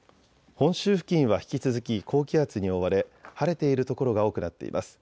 本州付近は引き続き高気圧に覆われ晴れている所が多くなっています。